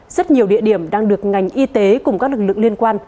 rất nhiều địa điểm đang được ngành y tế cùng các lực lượng liên quan